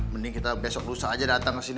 mending kita besok lusa aja datang kesini